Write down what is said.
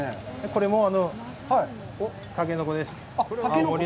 これもたけのこです。